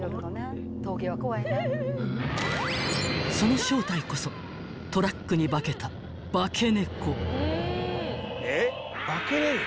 ［その正体こそトラックに化けた化け猫］